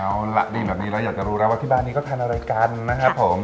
เอาล่ะดีแบบนี้แล้วอยากจะรู้แล้วว่าที่บ้านนี้เขาทานอะไรกันนะครับผม